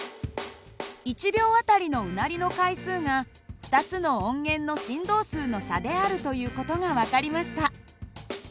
１秒あたりのうなりの回数が２つの音源の振動数の差であるという事が分かりました。